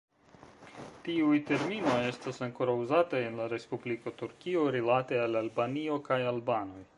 Tiuj terminoj estas ankoraŭ uzataj en la Respubliko Turkio rilate al Albanio kaj albanoj.